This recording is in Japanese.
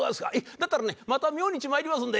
だったらねまた明日まいりますんで。